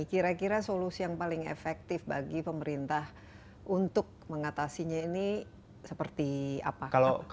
kira kira solusi yang paling efektif bagi pemerintah untuk mengatasinya ini seperti apa